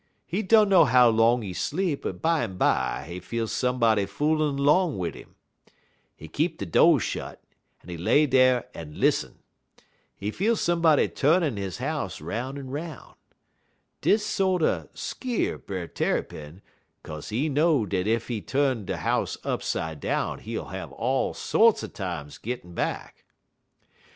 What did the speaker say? He dunner how long he sleep, but bimeby he feel somebody foolin' 'long wid 'im. He keep de do' shet, en he lay dar en lissen. He feel somebody tu'nin' he house 'roun' en 'roun'. Dis sorter skeer Brer Tarrypin, 'kaze he know dat ef dey tu'n he house upside down he ull have all sorts er times gittin' back.